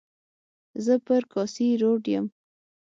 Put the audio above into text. زه پر کاسي روډ یم.